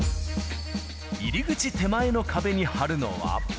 入り口手前の壁に貼るのは。